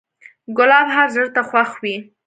ګلاب هر زړه ته خوښ وي.